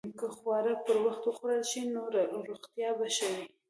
که خواړه پر وخت وخوړل شي، نو روغتیا به ښه وي.